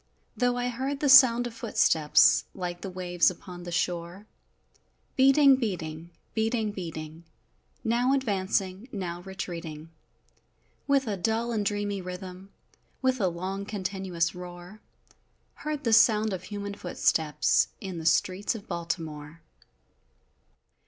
Though I heard the sound of footsteps, Like the waves upon the shore, Beating, beating, beating, beating! Now advancing, now retreating With a dull and dreamy rhythm With a long, continuous roar Heard the sound of human footsteps, In the streets of Baltimore!